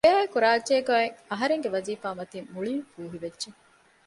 އެއާއެކު ރާއްޖޭގައި އޮތް އަހަރެންގެ ވަޒީފާ މަތިން މުޅީން ފޫހިވެއްޖެ